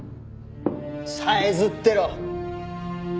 さえずってろ。